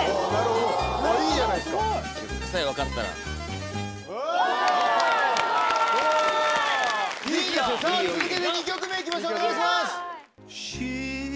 いいですよさぁ続けて２曲目行きましょうお願いします。